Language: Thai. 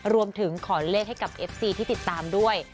รวมถึงขอเลขให้กับเอฟซีที่ติดตามด้วย